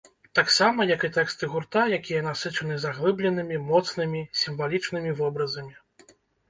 Таксама, як і тэксты гурта, якія насычаны заглыбленымі, моцнымі сімвалічнымі вобразамі.